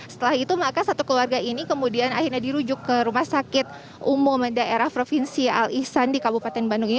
setelah itu maka satu keluarga ini kemudian akhirnya dirujuk ke rumah sakit umum daerah provinsi al ihsan di kabupaten bandung ini